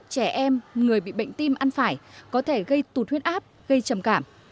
trẻ em người bị bệnh tim ăn phải có thể gây tụt huyết áp gây trầm cảm